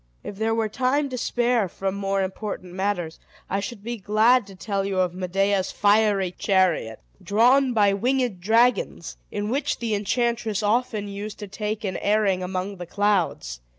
If there were time to spare from more important matters, I should be glad to tell you of Medea's fiery chariot, drawn by winged dragons, in which the enchantress used often to take an airing among the clouds.